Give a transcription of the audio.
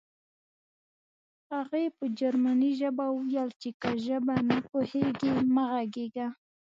هغې په جرمني ژبه وویل چې که ژبه نه پوهېږې مه غږېږه